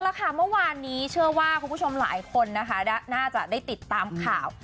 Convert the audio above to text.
แล้วค่ะเมื่อวานนี้เชื่อว่าคุณผู้ชมหลายคนนะคะน่าจะได้ติดตามข่าว